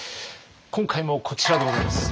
今回もこちらでございます！